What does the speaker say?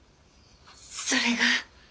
それが。